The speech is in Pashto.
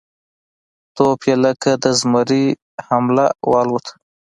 توپ یې لکه د زمري حمله والوته